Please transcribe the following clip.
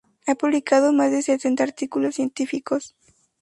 Ha publicado más de setenta artículos científicos.